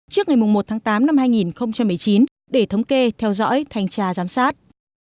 trước ngày một tháng tám năm hai nghìn một mươi chín để thống kê theo dõi thanh tra giám sát